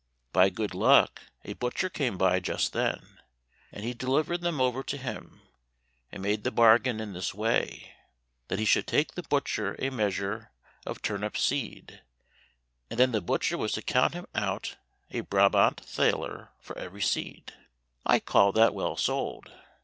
By good luck a butcher came by just then, and he delivered them over to him, and made the bargain in this way, that he should take the butcher a measure of turnip seed, and then the butcher was to count him out a Brabant thaler for every seed. I call that well sold!